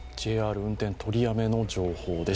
運転取りやめの情報です。